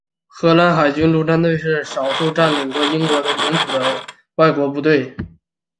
荷兰海军陆战队是少数占领过英国领土的外国部队。